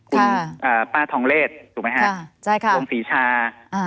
ค่ะคุณเอ่อป้าทองเลสถูกไหมฮะค่ะใช่ค่ะวงศรีชาอ่า